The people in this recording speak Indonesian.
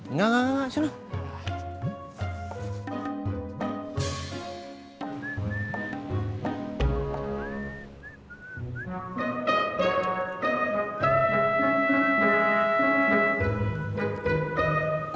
enggak enggak enggak